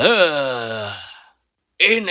mengapa kau tidak menikahi wanita yang sempurna